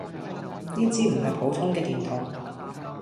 呢支唔係普通嘅電筒